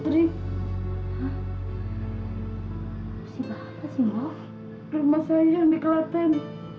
rumah saya yang dikelaten